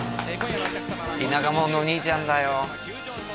田舎もんの兄ちゃんだよ